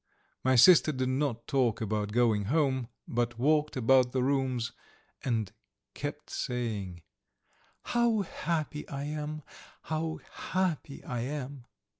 My sister did not talk about going home, but walked about the rooms and kept saying: "How happy I am! How happy I am!"